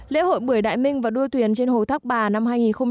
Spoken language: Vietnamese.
lễ hội bưởi đại minh và đua thuyền trên hồ thác bà năm hai nghìn một mươi bảy